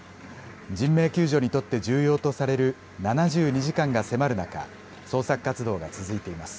人命救助にとって重要とされる７２時間が迫る中、捜索活動が続いています。